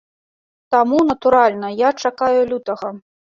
Таму, натуральна, я чакаю лютага.